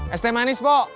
es teh manis pok